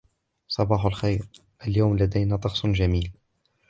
صباح الخير, اليوم لدينا طقسُ جميل.